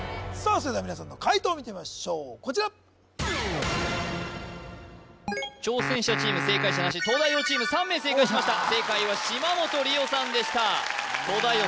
それでは皆さんの解答見てみましょうこちら挑戦者チーム正解者なし東大王チーム３名正解しました正解は島本理生さんでした東大王